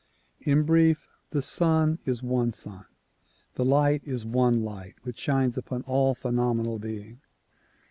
In brief ; the sun is one sun, the light is one light which shines upon all phenomenal being.